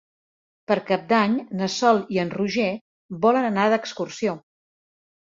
Per Cap d'Any na Sol i en Roger volen anar d'excursió.